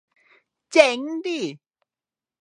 เจ๊งดิ